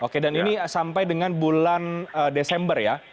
oke dan ini sampai dengan bulan desember ya